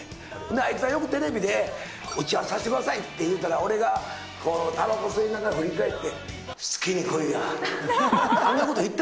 あいつはよくテレビで打ち合わせさせてくださいって言うたら、俺がたばこ吸いながら振り返って、好きに来いやって。